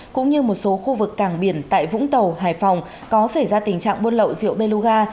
cũng như một số khu vực cảng biển tại vũng tàu hải phòng có xảy ra tình trạng buôn lậu rượu beloga